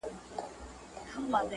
هغه خپلو هیلو ته دوام ورکوي